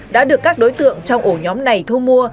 đã được các đối tượng trong ổ nhóm này thu mua